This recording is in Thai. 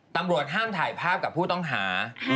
ตำรวจห้ามถ่ายภาพกับผู้ต้องหา